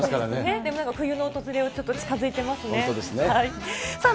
でも冬の訪れがちょっと近づいていますね。